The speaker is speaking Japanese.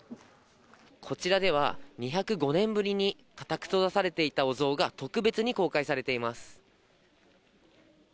こちらでは、２０５年ぶりに固く閉ざされていたお像が特別に公開されています。